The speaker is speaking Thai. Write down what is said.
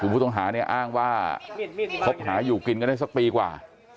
ผู้ต้องหาเนี่ยอ้างว่าคบหาอยู่กินกันได้สักปีกว่า